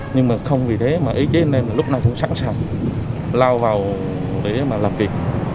nhưng mà không vì thế mà ý chí nên lúc nào cũng sẵn sàng lao vào để mà làm việc